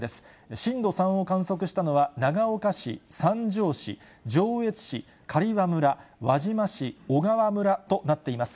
震度３を観測したのは長岡市、三条市、上越市、刈羽村、輪島市、小川村となっています。